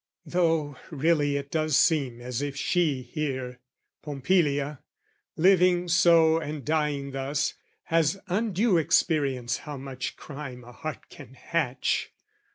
Though really it does seem as if she here, Pompilia, living so and dying thus, Has undue experience how much crime A heart can hatch.